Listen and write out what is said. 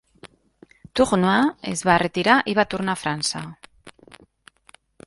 Tourneur es va retirar i va tornar a França.